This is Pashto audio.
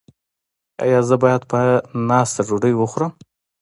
ایا زه باید په ناسته ډوډۍ وخورم؟